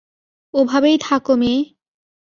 ওভাবেই থাকো, মেয়ে।